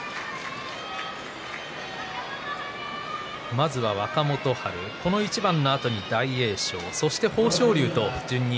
まずは若元春、この一番のあとに大栄翔、そして豊昇龍と順に